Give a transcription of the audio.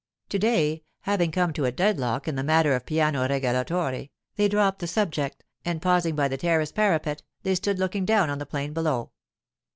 To day, having come to a deadlock in the matter of the piano regolatore, they dropped the subject, and pausing by the terrace parapet, they stood looking down on the plain below.